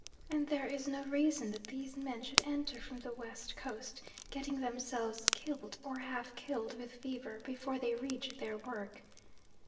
And there is no reason that these men should enter from the West Coast, getting themselves killed, or half killed, with fever, before they reach their work.